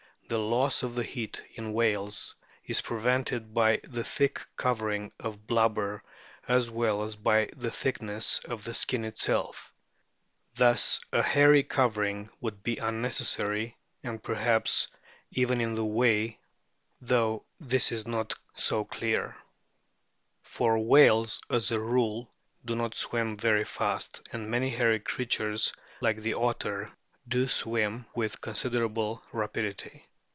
The loss of heat in whales is prevented by the thick covering of blubber as well as by the thickness of the skin itself. Thus a hairy covering would be unnecessary, and, perhaps, even in the way, though this is not so clear. For * Proc. Zool. Soc.) 1886, p. 255. THE EXTERNAL FORM OF WHALES 29 whales, as a rule, do not swim very fast, and many hairy creatures like the otter do swim with consider able rapidity.